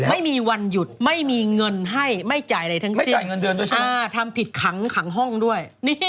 ไม่มีวันหยุดไม่มีเงินให้ไม่จ่ายอะไรทั้งสิ้นทำผิดขังขังห้องด้วย